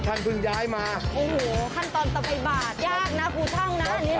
ขั้นตอนต่อไปบาทยากนะปูช้างนะอันนี้นะ